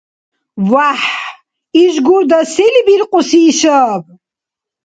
ВяхӀхӀ! Иш гурда сели биркьуси ишаб?